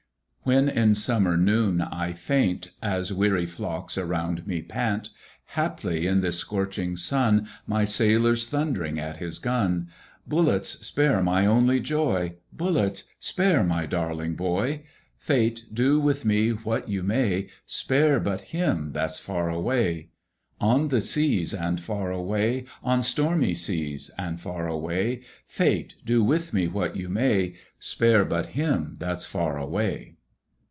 When in summer noon I faint, As weary flocks around me pant, Haply in this scorching sun, My sailor's thund'ring at his gun; Bullets, spare my only joy! Bullets, spare my darling boy! Fate, do with me what you may, Spare but him that's far away, On the seas and far away, On stormy seas and far away; Fate, do with me what you may, Spare but him that's far away.